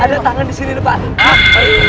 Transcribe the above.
ada tangan di sini pak